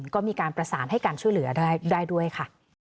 ก็มีการประสานให้การช่วยเหลือได้ด้วยค่ะ